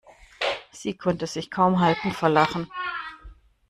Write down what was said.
Sie konnte sich kaum halten vor Lachen.